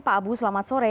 pak abu selamat sore